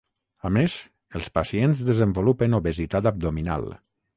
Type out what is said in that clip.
A més, els pacients desenvolupen obesitat abdominal.